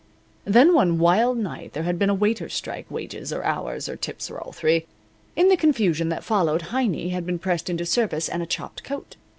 Then one wild night there had been a waiters' strike wages or hours or tips or all three. In the confusion that followed Heiny had been pressed into service and a chopped coat.